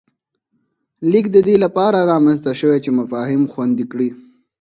لیک د دې له پاره رامنځته شوی چې مفاهیم خوندي کړي